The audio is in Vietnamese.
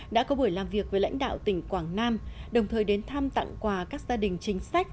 đã có buổi làm việc với lãnh đạo tỉnh quảng nam đồng thời đến thăm tặng quà các gia đình chính sách